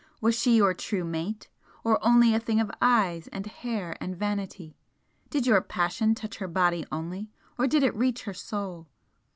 was she your true mate? or only a thing of eyes and hair and vanity? Did your passion touch her body only, or did it reach her Soul?